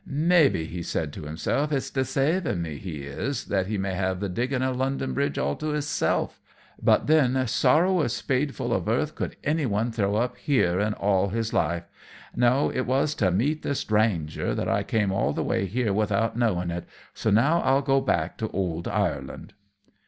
"May be," he said to himself, "its desaiving me he is, that he may have the digging of Lunnon bridge all to hisself, but then sorrow a spadeful of earth could any one throw up here, in all his life. No, it was to meet the sthrainger that I came all the way here without knowing it, so now I'll go back to ould Ireland."